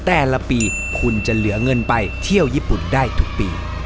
แต่ละปีคุณจะเหลือเงินไปเที่ยวญี่ปุ่นได้ทุกปี